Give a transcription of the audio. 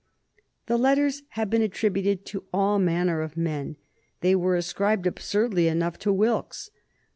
The letters have been attributed to all manner of men. They were ascribed, absurdly enough, to Wilkes.